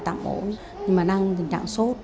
tạm mổ nhưng mà đang tình trạng sốt